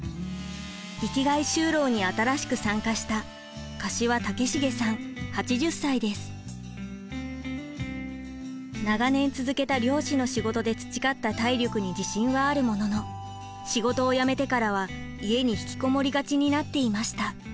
生きがい就労に新しく参加した長年続けた漁師の仕事で培った体力に自信はあるものの仕事を辞めてからは家に引きこもりがちになっていました。